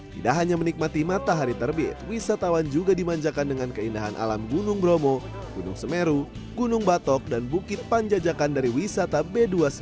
tidak hanya menikmati matahari terbit wisatawan juga dimanjakan dengan keindahan alam gunung bromo gunung semeru gunung batok dan bukit panjajakan dari wisata b dua puluh sembilan